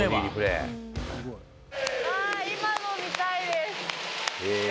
今の見たいです。